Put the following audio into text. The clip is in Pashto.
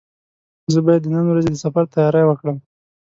زه باید د نن ورځې د سفر تیاري وکړم.